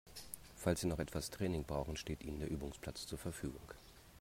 Falls Sie noch etwas Training brauchen, steht Ihnen der Übungsplatz zur Verfügung.